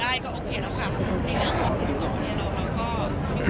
ให้ทุกเบอร์เนอะ